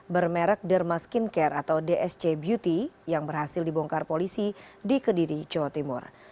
bermerek derma skincare atau dsc beauty yang berhasil dibongkar polisi di kediri jawa timur